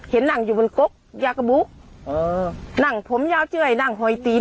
เห็นนั่งอยู่บนก๊อกยากบุ๊กเออนั่งผมยาวเจ้ยนั่งหอยตีน